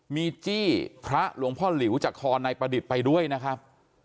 มีจี้พระหลวงพ่อหลิวจากคอนายประดิษฐ์ไปด้วยนะครับ